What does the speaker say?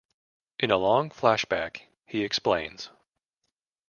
In a long flashback, he explains.